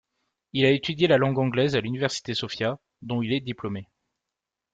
Il a étudié la langue anglaise à l'Université Sophia, dont il est diplômé.